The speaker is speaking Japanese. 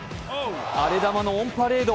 荒れ球のオンパレード。